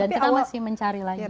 dan kita masih mencari lagi sih